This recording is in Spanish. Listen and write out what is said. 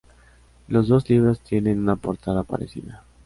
Los dos libros tienen una portada parecida.